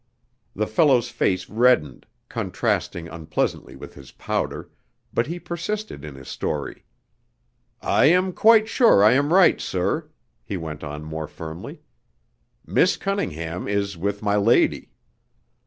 The fellow's face reddened, contrasting unpleasantly with his powder, but he persisted in his story. "I am quite sure I am right, sir," he went on more firmly. "Miss Cunningham is with my lady."